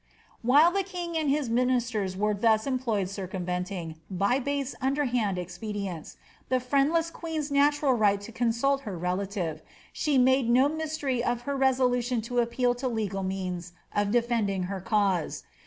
'' While the king and his minister were thus employed circumventing, by base underhand expedients, the friend Icm queen'^s natural right to consult her relative, she made no mystery of her resolution to appeal to legal means of defending her cause.